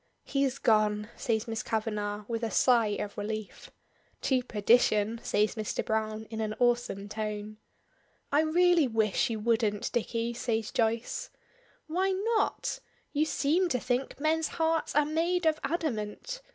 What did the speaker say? "He's gone!" says Miss Kavanagh, with a sigh of relief. "To perdition!" says Mr. Browne in an awesome tone. "I really wish you wouldn't, Dicky," says Joyce. "Why not? You seem to think men's hearts are made of adamant!